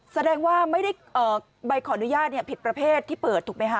แสดงว่าไม่ได้ใบขออนุญาตผิดประเภทที่เปิดถูกไหมคะ